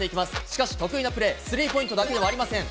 しかし得意なプレーはスリーポイントだけではありません。